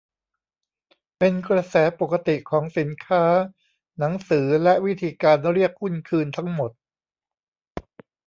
เป็นกระแสปกติของสินค้า หนังสือ และวิธีการเรียกหุ้นคืนทั้งหมด